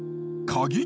鍵？